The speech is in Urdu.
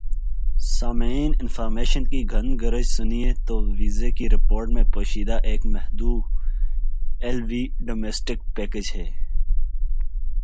سامعین انفارمیشن کی گھن گرج سنیں تو ویزے کی رپورٹ میں پوشیدہ ایک محدود ایل وی ڈومیسٹک پیکج ہے